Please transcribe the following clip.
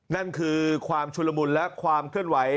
นั่นคือความชุลมุนและความเคลื่อนไหว